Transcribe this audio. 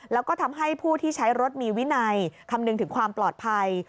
แล้วก็ทำให้ผู้ที่ใช้รถมีวินัยคำนึงถึงความปลอดภัย